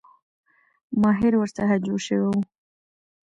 ماهر ورڅخه جوړ شوی وو.